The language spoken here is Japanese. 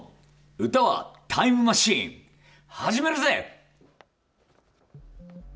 「歌はタイムマシーン」始めるぜ！